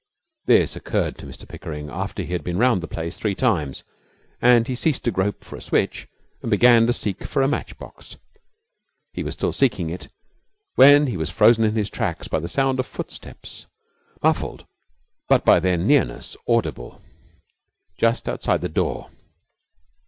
This occurred to Mr Pickering after he had been round the place three times, and he ceased to grope for a switch and began to seek for a match box. He was still seeking it when he was frozen in his tracks by the sound of footsteps, muffled but by their nearness audible, just outside the door.